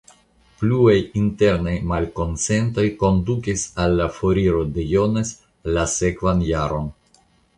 Pluaj internaj malkonsentoj kondukis al la foriro de Jones la sekvan jaron.